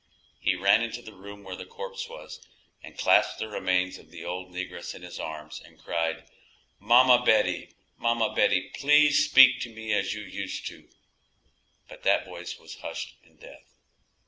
He ran into the room where the corpse was and clasped the remains of the old negress in his arms and cried, "Mamma Betty, mamma Betty, please speak to me as you used to." But that voice was hushed in death.